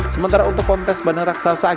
sementara untuk kontes bandar raksasa